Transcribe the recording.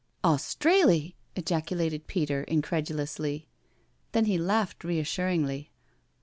"Australyl" ejaculated Peter incredulously. Then he laughed reassuringly.